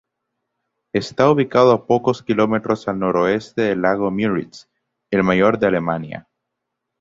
Está ubicado a pocos kilómetros al noroeste del lago Müritz, el mayor de Alemania.